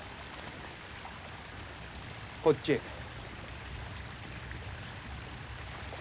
こっちへ。